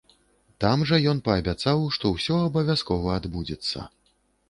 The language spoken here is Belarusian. Там жа ён паабяцаў, што ўсё абавязкова адбудзецца.